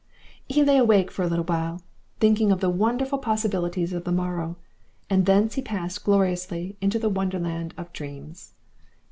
He lay awake for a little while thinking of the wonderful possibilities of the morrow, and thence he passed gloriously into the wonderland of dreams.